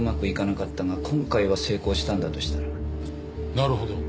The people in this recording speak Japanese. なるほど。